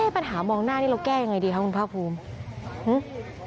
ปัญหามองหน้านี่เราแก้ยังไงดีคะคุณภาคภูมิ